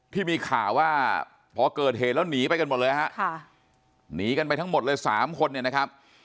ที่มีข่าวว่าพอเกิดเหตุแล้วหนีไปกันหมดเลยฮะค่ะหนีกันไปทั้งหมดเลย๓คนเนี่ยนะครับ